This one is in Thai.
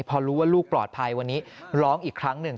พอรู้ว่าลูกปลอดภัยวันนี้ร้องอีกครั้งหนึ่ง